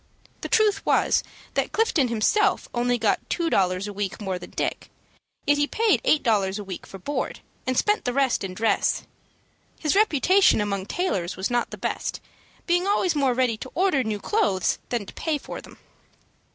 The truth was that Clifton himself only got two dollars a week more than Dick, yet he paid eight dollars a week for board, and spent the rest in dress. His reputation among tailors was not the best, being always more ready to order new clothes than to pay for them.